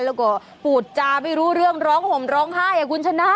แล้วก็พูดจาไม่รู้เรื่องร้องห่มร้องไห้คุณชนะ